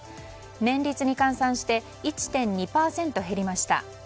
年率に換算して１．２％減りました。